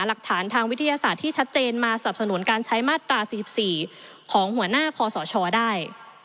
หลักฐานทางวิทยาศาสตร์ที่ชัดเจนมาสนับสนุนการใช้มาตรา๔๔ของหัวหน้าคอสชได้